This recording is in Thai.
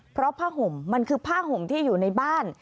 เพราะผ้าห่มมันคือผ้าห่มที่อยู่ในบ้าน